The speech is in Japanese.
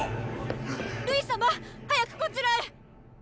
瑠衣様早くこちらへ！！